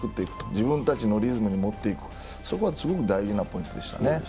自分たちのリズムに持っていく、それはすごく大事でしたね。